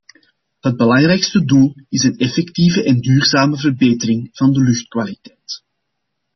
Het belangrijkste doel is een effectieve en duurzame verbetering van de luchtkwaliteit.